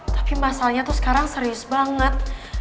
tapi masalahnya tuh sekarang serius banget